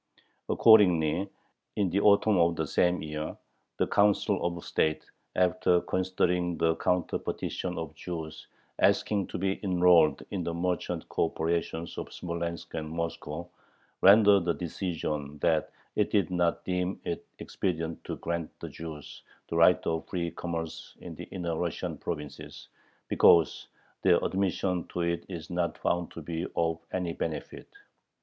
Accordingly, in the autumn of the same year, the Council of State, after considering the counter petition of the Jews asking to be enrolled in the merchant corporations of Smolensk and Moscow, rendered the decision that it did not deem it expedient to grant the Jews the right of free commerce in the inner Russian provinces, because "their admission to it is not found to be of any benefit."